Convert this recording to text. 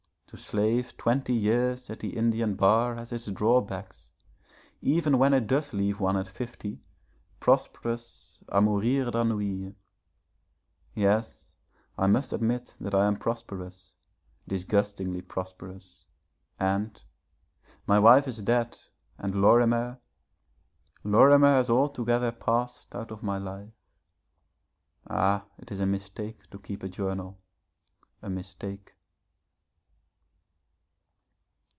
To slave twenty years at the Indian bar has its drawbacks, even when it does leave one at fifty, prosperous √Ý mourir d'ennui. Yes, I must admit that I am prosperous, disgustingly prosperous, and my wife is dead, and Lorimer Lorimer has altogether passed out of my life. Ah, it is a mistake to keep a journal a mistake.